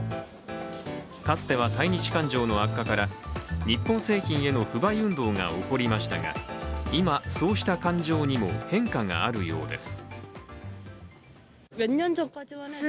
かつては対日感情の悪化から日本製品への不買運動が起こりましたが今、そうした感情にも変化があるようです。